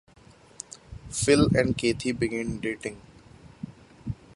Phil and Kathy begin dating.